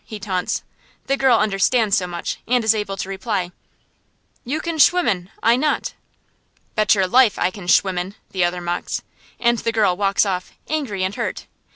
he taunts. The girl understands so much, and is able to reply: "You can schwimmen, I not." "Betcher life I can schwimmen," the other mocks. And the girl walks off, angry and hurt.